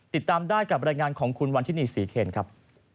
ติดตามได้กับรายงานของคุณวันทินีศรีเคนครับ